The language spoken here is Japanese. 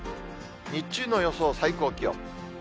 日中の予想最高気温。